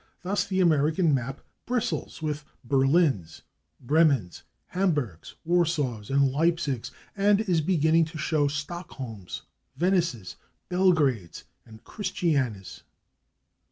Thus the American map bristles with /Berlins/, /Bremens/, /Hamburgs/, /Warsaws/ and /Leipzigs/, and is beginning to show /Stockholms/, /Venices/, /Belgrades/ and /Christianias